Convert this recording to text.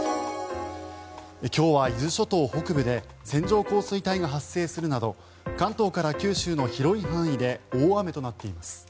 今日は伊豆諸島北部で線状降水帯が発生するなど関東から九州の広い範囲で大雨となっています。